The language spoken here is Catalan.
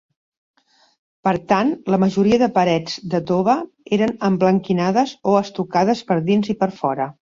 Per tant, la majoria de parets de tova eren emblanquinades o estucades per dins i per fora.